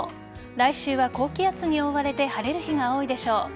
来週は高気圧に覆われて晴れる日が多いでしょう。